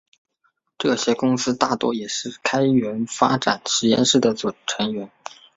这些公司大多也是开源发展实验室的成员。